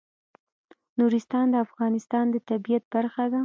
نورستان د افغانستان د طبیعت برخه ده.